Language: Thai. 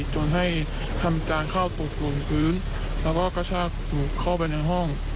จนให้ทำจานข้าวตบตรงกลุ่นแล้วก็กระชากหนูเข้าไปในห้อง